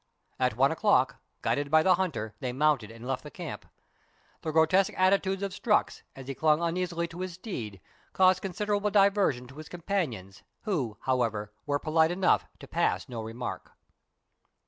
At one o'clock, guided by the hunter, they mounted and left the camp. The grotesque attitudes of Strux, as he clung uneasily to his steed, caused considerable diversion to his companions, who, however, were polite enough to pass no remark.